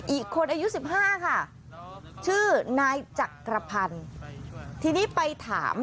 อีกคนอายุสิบห้าค่ะชื่อนายจักรพันธ์ทีนี้ไปถาม